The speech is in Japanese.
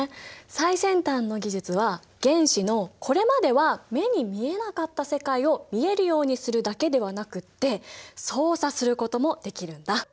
最先端の技術は原子のこれまでは目に見えなかった世界を見えるようにするだけではなくって操作することもできるんだ。